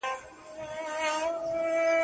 سل پېړۍ سوې دلته تیري سل به نوري لا تیریږي